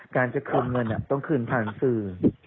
การจะคืนเงินต้องคืนผ่านสื่อ